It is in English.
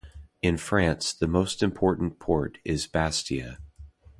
In France the most important port is Bastia.